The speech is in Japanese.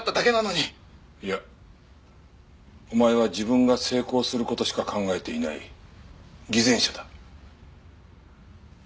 いやお前は自分が成功する事しか考えていない偽善者だ。